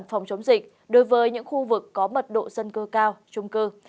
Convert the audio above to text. bản phòng chống dịch đối với những khu vực có mật độ dân cơ cao trung cư